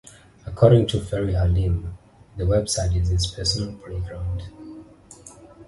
According to Ferry Halim, the website is his personal playground.